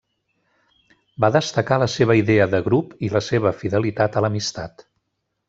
Va destacar la seva idea de grup i la seva fidelitat a l'amistat.